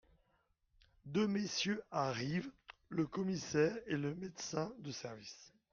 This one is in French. Deux messieurs arrivent, le commissaire et le médecin de service.